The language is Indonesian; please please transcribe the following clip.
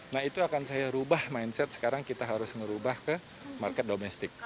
nah itu akan saya rubah mindset sekarang kita harus merubah ke market domestik